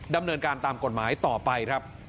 ดำเนินการตามกฎหมายต่อไปครับ